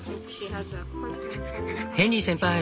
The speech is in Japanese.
「ヘンリー先輩。